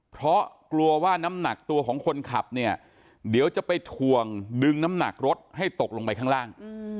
เพราะกลัวว่าน้ำหนักตัวของคนขับเนี่ยเดี๋ยวจะไปถ่วงดึงน้ำหนักรถให้ตกลงไปข้างล่าง